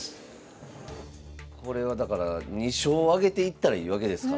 これはだから２勝挙げていったらいいわけですから。